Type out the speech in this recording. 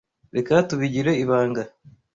Reka tubigire ibanga.